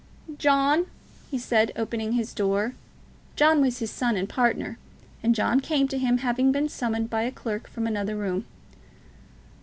"John," he said, opening his door. John was his son and partner, and John came to him, having been summoned by a clerk from another room.